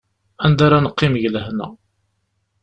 Anda ara neqqim deg lehna.